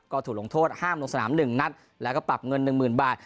ก็ถูกหลงโทษห้ามลงสนามหนึ่งนัดแล้วก็ปรับเงินหนึ่งหมื่นบาท